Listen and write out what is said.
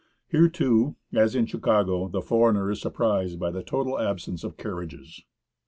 Here too, as in Chicago, the foreigner is surprised by the total absence of carriages.